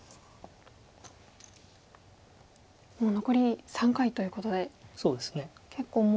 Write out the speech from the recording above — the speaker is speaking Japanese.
もう残り３回ということで結構もう。